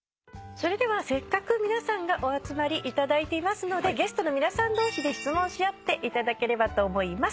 それではせっかく皆さんがお集まりいただいていますのでゲストの皆さん同士で質問し合っていただければと思います。